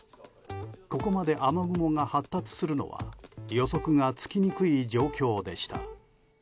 ここまで雨雲が発達するのは予測がつきにくい状況でした。